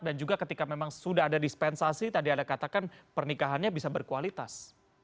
dan juga ketika memang sudah ada dispensasi tadi ada katakan pernikahannya bisa berkualitas